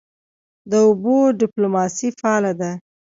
د اوبو ډیپلوماسي فعاله ده؟